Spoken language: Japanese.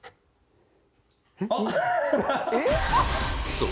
そう！